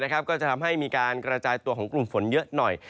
ก็จะทำให้มีการกระจายตัวของกลุ่มฝนเยอะหน่อย